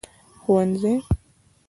ښوونځي